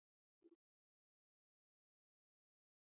تنوع د افغانستان په هره برخه کې موندل کېږي.